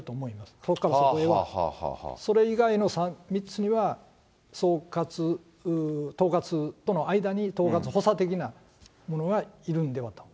そこからそこへは、それ以外の３つには、統括との間に統括補佐的な者がいるんではと。